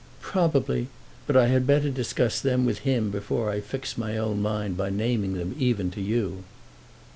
"Probably; but I had better discuss them with him before I fix my own mind by naming them even to you."